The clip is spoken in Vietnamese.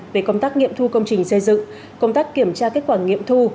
về công tác nghiệm thu công trình xây dựng công tác kiểm tra kết quả nghiệm thu